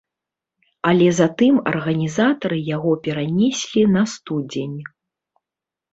Але затым арганізатары яго перанеслі на студзень.